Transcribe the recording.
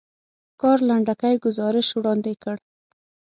کار لنډکی ګزارش وړاندې کړ.